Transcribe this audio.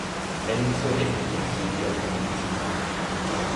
Elles nous seraient inutiles », répondit-il.